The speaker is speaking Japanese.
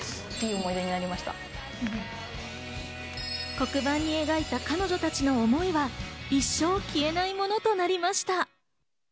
黒板に描いた彼女たちの思いは一生消えないものとなりました。